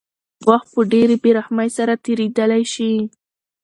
وخت په ډېرې بېرحمۍ سره تېرېدلی شي.